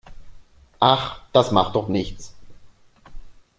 Ach, das macht doch nichts.